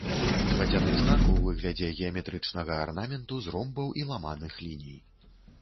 Вадзяны знак у выглядзе геаметрычнага арнаменту з ромбаў і ламаных ліній.